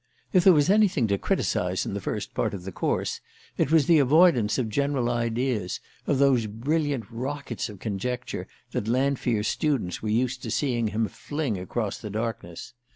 If there was anything to criticize in that first part of the course, it was the avoidance of general ideas, of those brilliant rockets of conjecture that Lanfear's students were used to seeing him fling across the darkness.